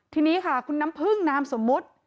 ทีนี้ค่ะคุณน้ำพึ่งนามสมมุติ